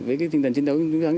với tinh thần chức quyến chức thắng